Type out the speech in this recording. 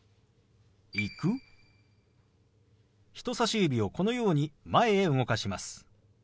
人さし指をこのように前へ動かします。